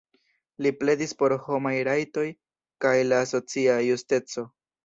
Li pledis por homaj rajtoj kaj la socia justeco.